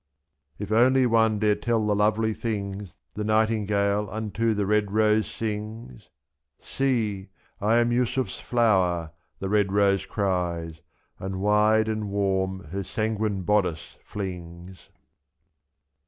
78 If only one dare tell the lovely things The nightingale unto the red rose sings ! /?«3'*See! I am Yusuf's flower/ the red rose cries. And wide and warm her sanguine bodice flings.